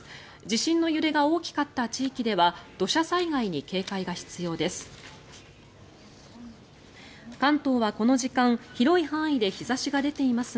地震の揺れが大きかった地域では土砂災害に警戒が必要です。